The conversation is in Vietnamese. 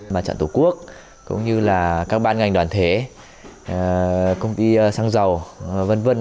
mặt trận tổ quốc cũng như là các ban ngành đoàn thể công ty xăng dầu v v